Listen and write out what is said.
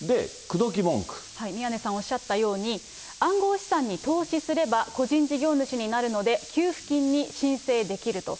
宮根さんおっしゃったように、暗号資産に投資すれば、個人事業主になるので、給付金に申請できると。